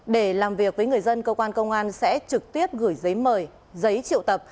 để làm việc với người dân cơ quan công an sẽ trực tiếp gửi giấy mời giấy triệu tập